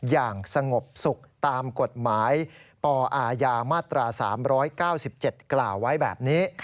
อย่างสงบสุขตามกฎหมายปอาญามาตรา๓๙๗กล่าวไว้แบบนี้